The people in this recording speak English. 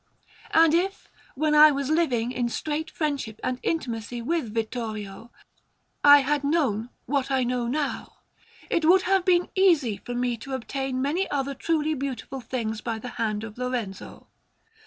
And if, when I was living in strait friendship and intimacy with Vittorio, I had known what I know now, it would have been easy for me to obtain many other truly beautiful things by the hand of Lorenzo.